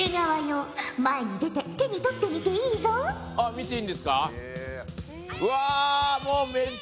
見ていいんですか？